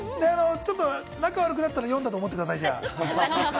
仲悪くなったら読んだと思ってください。